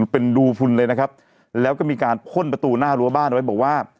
เป็นรูพุนเลยนะครับแล้วก็มีการพ่นประตูหน้ารั้วบ้านไว้บอกว่า